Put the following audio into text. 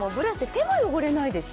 手も汚れないでしょ？